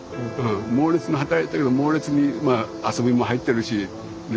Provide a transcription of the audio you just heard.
モーレツに働いたけどモーレツに遊びも入ってるしね。